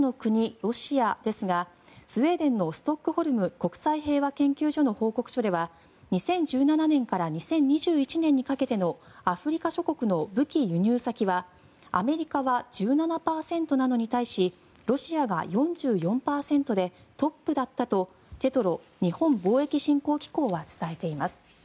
ロシアですがスウェーデンのストックホルム国際平和研究所の報告書では２０１７年から２０２１年にかけてのアフリカ諸国の武器輸入先はアメリカは１７％なのに対しロシアが４４％でトップだったとＪＥＴＲＯ・日本貿易振興機構は伝えています。